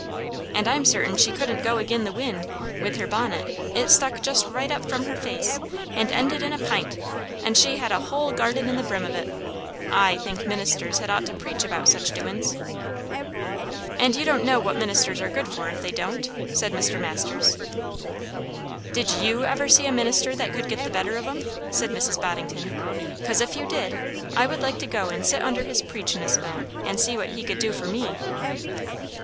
"And I'm certain she couldn't go agin the wind, with her bonnet; it stuck just right up from her face, and ended in a pint, and she had a hull garden in the brim of it, I think ministers had ought to preach about such doin's." "And you don't know what ministers are good for if they don't?" said Mr. Masters. "Did you ever see a minister that could get the better of 'em?" said Mrs. Boddington. "'Cos, if you did, I would like to go and sit under his preachin' a spell, and see what he could do for me."